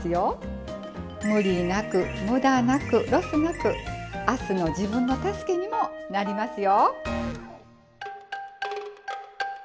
無理なくムダなくロスなく明日の自分の助けにもなりますよ。